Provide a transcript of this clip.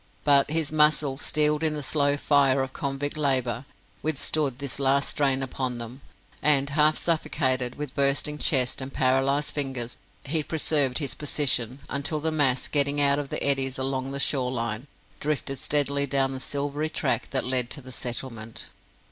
But his muscles, steeled in the slow fire of convict labour, withstood this last strain upon them, and, half suffocated, with bursting chest and paralysed fingers, he preserved his position, until the mass, getting out of the eddies along the shore line, drifted steadily down the silvery track that led to the settlement.